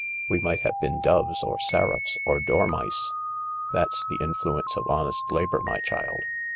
We might have been doves or seraphs or dormice. That's the influence of honest labour, my child.